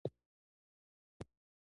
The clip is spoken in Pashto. شتمن خلک د غریب دعا ته محتاج وي.